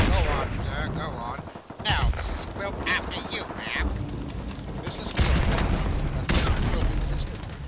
'Go on, sir, go on. Now, Mrs Quilp after you, ma'am.' Mrs Quilp hesitated, but Mr Quilp insisted.